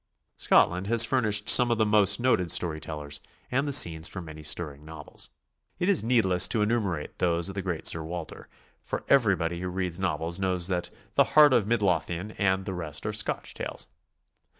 Scotland has furnished some of the most noted 'Story tellers and the scenes for many stirring novels. It is needless to enumerate those of the great Sir Walter, for everybody VvLo reads novels knows that "The Heart of Midlothian" and ihe rest are Scotch tales.